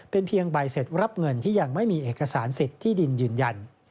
เป็นเพียงใบเสร็จรับเงินที่ยังไม่มีเอกสารสิทธิ์ที่ดินยืนยัน